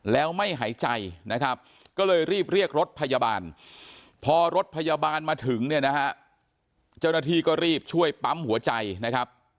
แล้วไม่หายใจนะครับก็เลยรีบเรียกรถพยาบาลพอรถพยาบาลมาถึงเนี่ยนะฮะเจ้าหน้าที่ก็รีบช่วยปั๊มหัวใจนะครับ